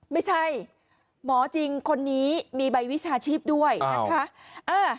ไม่ใช่หมอจริงคนนี้มีใบวิชาชีพด้วยนะคะ